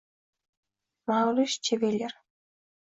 Mauris Chevalier